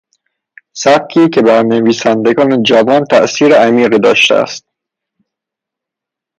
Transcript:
سبکی که بر نویسندگان جوان تاثیر عمیقی داشته است